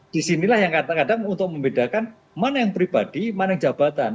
disinilah yang kadang kadang untuk membedakan mana yang pribadi mana yang jabatan